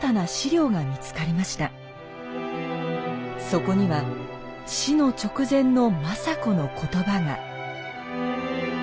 そこには死の直前の政子の言葉が。